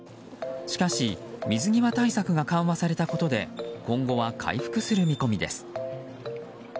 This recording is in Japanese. しかし水際対策が緩和されたことで今後は回復する見込みです。